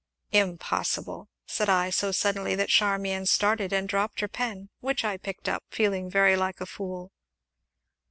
"Impossible!" said I, so suddenly that Charmian started and dropped her pen, which I picked up, feeling very like a fool.